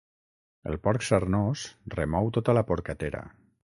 El porc sarnós remou tota la porcatera.